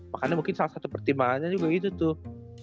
makanya mungkin salah satu pertimbangannya juga gitu tuh